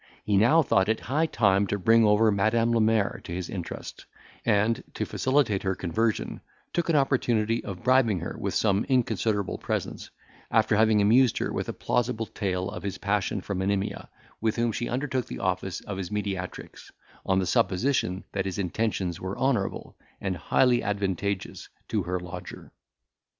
He now thought it high time to bring over Madam la Mer to his interest; and, to facilitate her conversion, took an opportunity of bribing her with some inconsiderable presents, after having amused her with a plausible tale of his passion for Monimia, with whom she undertook the office of his mediatrix, on the supposition that his intentions were honourable, and highly advantageous to her lodger.